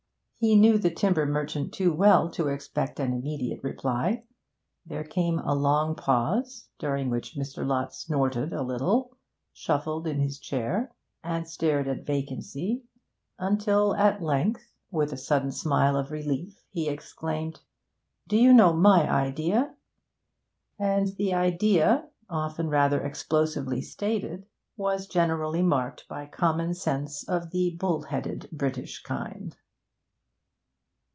He knew the timber merchant too well to expect an immediate reply. There came a long pause, during which Mr. Lott snorted a little, shuffled in his chair, and stared at vacancy, until at length, with a sudden smile of relief he exclaimed, 'Do you know my idea!' And the idea, often rather explosively stated, was generally marked by common sense of the bull headed, British kind.